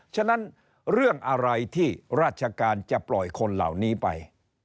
ฉะนั้นเรื่องอะไรที่ราชการจะปล่อยคนเหล่านี้ไป